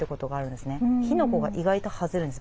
火の粉が意外とはぜるんです。